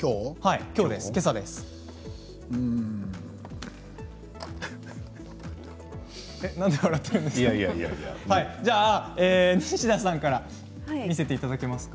では西田さんから見せていただけますか。